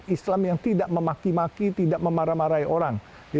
islam yang tidak memaki maki tidak memarah marahi orang